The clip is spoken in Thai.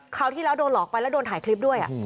ที่แล้วโดนหลอกไปแล้วโดนถ่ายคลิปด้วย